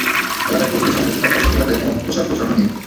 এলাকায় খোঁজ নিয়ে জানা গেছে, তাঁর পক্ষে এলাকায় তেমন প্রচার-প্রচারণা নেই।